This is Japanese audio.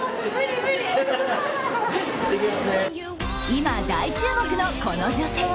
今、大注目のこの女性。